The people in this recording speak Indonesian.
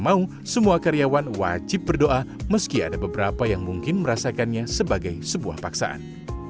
mau semua karyawan wajib berdoa meski ada beberapa yang mungkin merasakannya sebagai sebuah paksaan